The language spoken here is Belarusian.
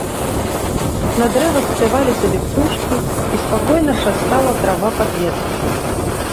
На дрэвах спявалі сабе птушкі, і спакойна шастала трава пад ветрам.